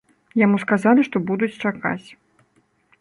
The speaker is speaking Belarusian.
Яму сказалі, што будуць чакаць.